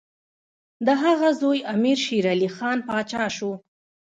د هغه زوی امیر شېرعلي خان پاچا شو.